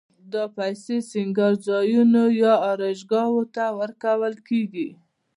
دا پیسې سینګارځایونو یا آرایشګاوو ته ورکول کېږي